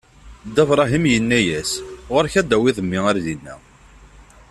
Dda Bṛahim inna-as: Ɣur-k ad tawiḍ mmi ɣer dinna!